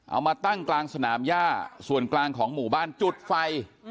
เอามาตั้งกลางสนามย่าส่วนกลางของหมู่บ้านจุดไฟ